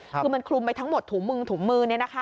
คือมันคลุมไปทั้งหมดถุงมือถุงมือเนี่ยนะคะ